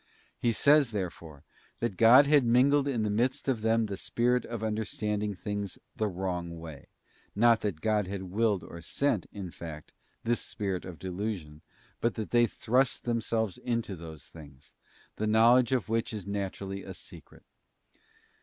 He says, therefore, that God had mingled in the midst of them the spirit of understanding things the wrong way; not that God willed or sent, in fact, this spirit of delusion, but that they thrust themselves into those things, the knowledge of which is naturally a secret.